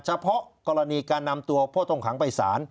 เฉพาะกรณีการนำตัวผู้ต้องขังไปสาร